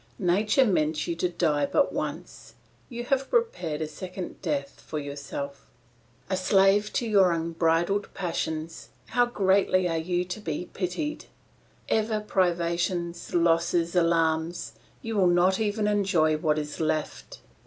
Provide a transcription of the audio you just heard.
Nature meant you to die but once; you have prepared a second death for yourself. "A slave to your unbridled passions, how greatly are you to be pitied! Ever privations, losses, alarms; you will not even enjoy what is left.